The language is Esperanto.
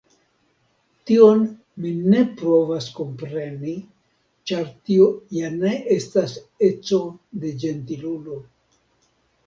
Tion mi ne povas kompreni, ĉar tio ja ne estas eco de ĝentilulo.